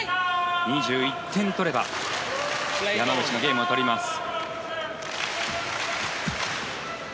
２１点取れば山口はゲームを取ります。